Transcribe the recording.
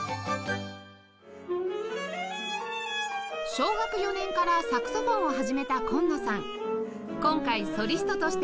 小学４年からサクソフォンを始めた紺野さん